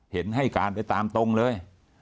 เห็นให้การไปตามตรงเลย